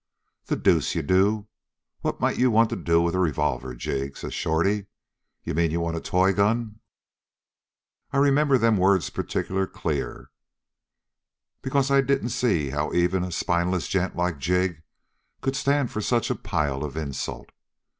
"'The deuce you do! What might you want to do with a revolver, Jig?' says Shorty. 'You mean you want a toy gun?' "I remember them words particular clear, because I didn't see how even a spineless gent like Jig could stand for such a pile of insult.